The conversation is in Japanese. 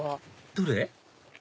どれ？